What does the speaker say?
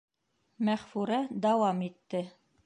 Мәғфүрә дауам итте: